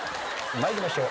参りましょう。